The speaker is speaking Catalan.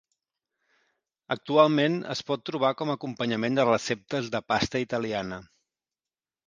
Actualment es pot trobar com acompanyament de receptes de pasta italiana.